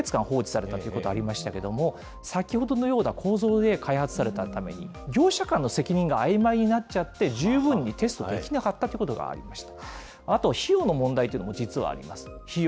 例えば、新型コロナウイルスの接触確認アプリ、ＣＯＣＯＡ、深刻な不具合が４か月間放置されたということがありましたけれども、先ほどのような構造で開発されたために、業者間の責任があいまいになっちゃって、十分にテストできなかったということがありました。